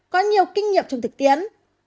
có nhiều kinh nghiệm trong thực tiến